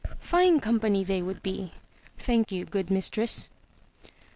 "Fine company they would be! Thank you, good mistress."